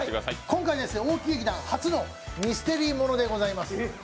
今回、大木劇団初のミステリー物でございます。